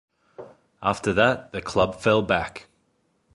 After that, the club fell back.